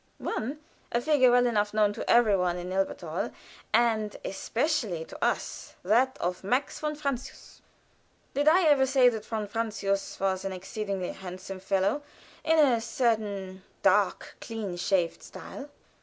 One, a figure well enough known to every one in Elberthal, and especially to us that of Max von Francius. Did I ever say that von Francius was an exceedingly handsome fellow, in a certain dark, clean shaved style?